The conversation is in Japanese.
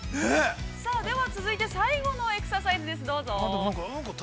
◆さあでは続いて最後のエクササイズです、どうぞ。